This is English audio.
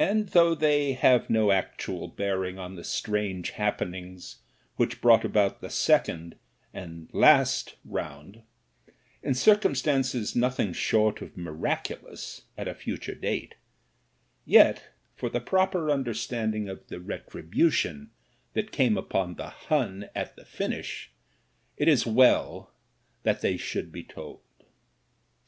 And though they have no actual bearing on the strange happenings which brought about the second and last rotmd, in circumstances nothing short of miraculous at a future date, yet for the proper understanding of the retribu RETRIBUTION 163 tion that came upon the Hun at the finish it is well that they should be told.